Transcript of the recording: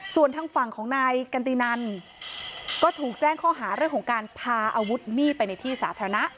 ส่วนทางฝั่งของนายกันตินันก็ถูกแจ้งข้อหาเรื่องของการพาอาวุธมีดไปในที่สาธารณะ